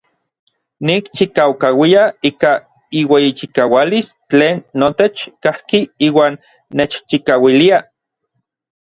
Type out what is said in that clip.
Nikchikaukauia ika iueyichikaualis tlen notech kajki iuan nechchikauilia.